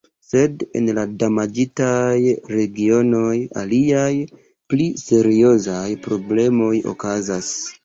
Sed en la damaĝitaj regionoj aliaj, pli seriozaj problemoj okazas.